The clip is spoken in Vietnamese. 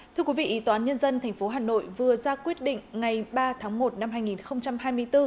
thưa quý vị tòa án nhân dân tp hà nội vừa ra quyết định ngày ba tháng một năm hai nghìn hai mươi bốn